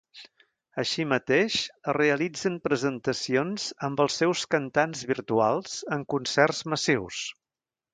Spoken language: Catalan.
Així mateix, es realitzen presentacions amb els seus cantants virtuals en concerts massius.